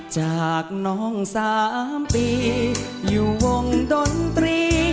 จากน้อง๓ปีอยู่วงดนตรี